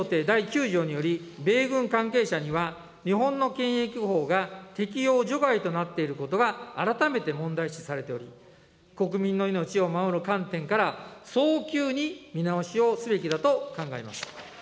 第９条により、米軍関係者には日本の検疫法が適用除外となっていることが改めて問題視されており、国民の命を守る観点から、早急に見直しをすべきだと考えます。